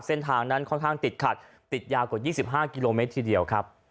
เส้นทางนั้นค่อนข้างติดขัดติดยาวกว่า๒๕กิโลเมตรทีเดียวครับ